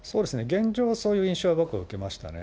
現状はそういう印象は僕は受けましたね。